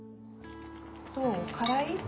どうからい？